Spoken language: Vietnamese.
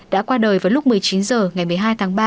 đã qua đời vào lúc một mươi chín h ngày một mươi hai tháng ba